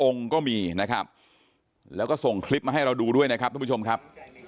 ก็มีนะครับแล้วก็ส่งคลิปมาให้เราดูด้วยนะครับทุกผู้ชมครับ